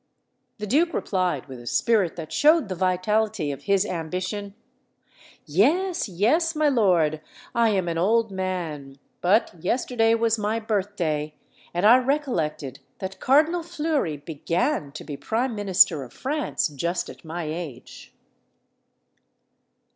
The duke replied, with a spirit that showed the vitality of his ambition: "Yes, yes, my lord, I am an old man, but yesterday was my birthday, and I recollected that Cardinal Fleury began to be prime minister of France just at my age."